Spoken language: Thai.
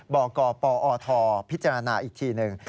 บกปอทพิจารณาอีกทีหนึ่ง